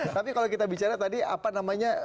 tapi kalau kita bicara tadi apa namanya